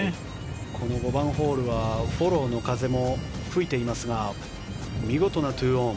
この５番ホールはフォローの風も吹いていますが、見事な２オン。